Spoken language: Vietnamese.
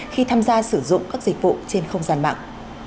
khi tham gia sử dụng các dịch vụ trên không gian mạng